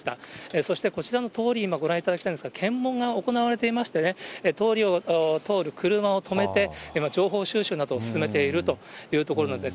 そしてこちらの通り、今、ご覧いただきたいんですが、検問が行われていまして、通りを通る車を止めて、今、情報収集などを進めているというところなんです。